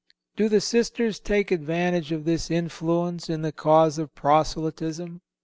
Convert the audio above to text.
Do the sisters take advantage of this influence in the cause of proselytism?